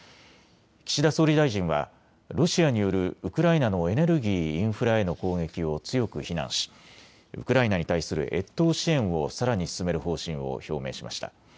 岸田総理大臣はロシアによるウクライナのエネルギー・インフラへの攻撃を強く非難しウクライナに対する越冬支援をさらに進める方針を表明しました。